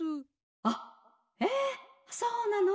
「あっえそうなの？